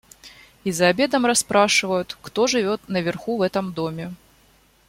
И за обедом расспрашивают, кто живет наверху в этом доме.